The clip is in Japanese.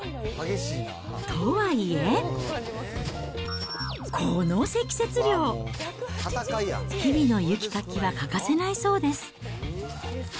とはいえ、この積雪量。日々の雪かきは欠かせないそうです。